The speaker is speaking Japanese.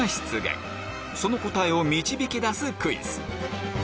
その答えを導き出すクイズ